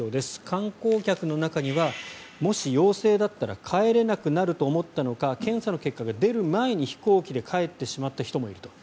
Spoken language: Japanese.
観光客の中にはもし陽性だったら帰れなくなると思ったのか検査の結果が出る前に飛行機で帰ってしまった人もいると。